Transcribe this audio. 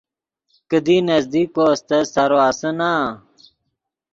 کیدی نزدیک کو استت سارو آسے نا۔